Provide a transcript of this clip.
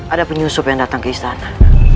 ada penyusup yang datang ke istana